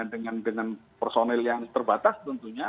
kita juga dengan personil yang terbatas tentunya